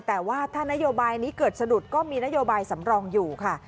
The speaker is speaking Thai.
แต่ว่าถ้านโยบายนี้เกิดสะดุดก็มีนโยบายสำรองอยู่ค่ะ